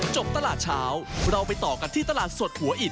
ตลาดเช้าเราไปต่อกันที่ตลาดสดหัวอิด